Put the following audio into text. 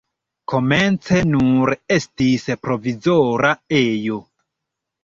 Komence nur estis provizora ejo.